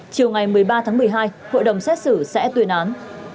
chiều ngày một mươi ba tháng một mươi hai hội đồng xét xử sẽ tuyên án